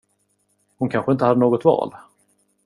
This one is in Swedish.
Hon kanske inte hade något val?